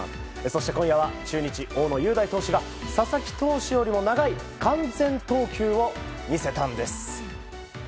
そして今夜は大野雄大選手が佐々木朗希投手より長い完全投球を見せたんです。